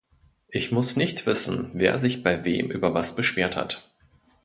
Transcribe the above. Ich muss nicht wissen, wer sich bei wem über was beschwert hat.